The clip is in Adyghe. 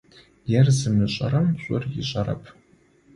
Ер зымышӏэрэм шӏур ышӏэрэп.